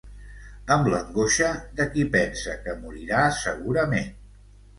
Amb l'angoixa de qui pensa que morirà segurament.